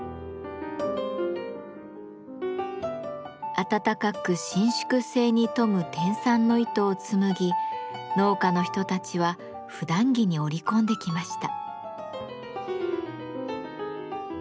温かく伸縮性に富む天蚕の糸を紡ぎ農家の人たちはふだん着に織り込んできました。